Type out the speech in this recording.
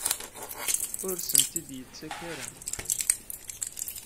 Ur asent-t-id-yettak ara?